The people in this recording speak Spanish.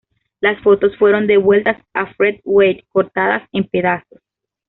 Las fotos fueron devueltas a Fred Wade cortadas en pedazos.